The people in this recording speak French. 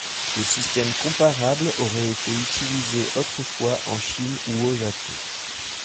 Des systèmes comparables auraient été utilisés autrefois en Chine ou au Japon.